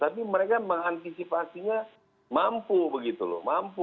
tapi mereka mengantisipasinya mampu begitu loh mampu